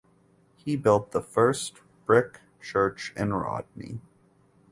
He built the first brick church in Rodney.